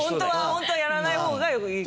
ホントはやらない方がいい。